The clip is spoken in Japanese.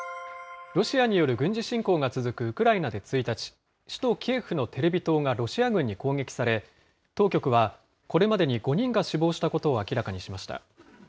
ロシアによる軍事侵攻が続くウクライナで１日、首都キエフのテレビ塔がロシア軍に攻撃され、当局はこれまでに５人が死亡したことを明らかにしました。